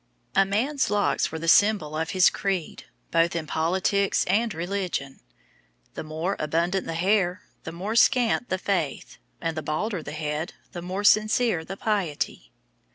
A man's locks were the symbol of his creed, both in politics and religion. The more abundant the hair, the more scant the faith; and the balder the head, the more sincere the piety.